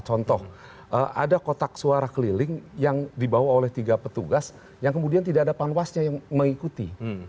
contoh ada kotak suara keliling yang dibawa oleh tiga petugas yang kemudian tidak ada panwasnya yang mengikuti